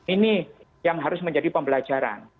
ini yang harus menjadi pembelajaran